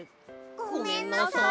ごめんなさい！